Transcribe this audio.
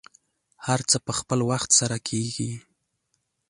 هر څه په خپل وخت سره کیږي.